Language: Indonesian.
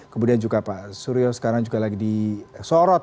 kemudian juga pak suryo sekarang juga lagi disorot